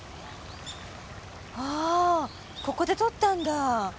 ああここで撮ったんだ。